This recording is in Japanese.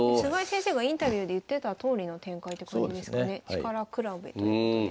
力比べということで。